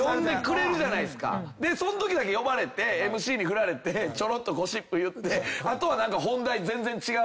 そんときだけ呼ばれてＭＣに振られてゴシップ言ってあとは本題全然違う。